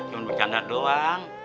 cuman bercanda doang